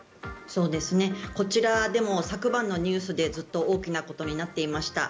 こちらでも昨晩のニュースでずっと大きなことになっていました。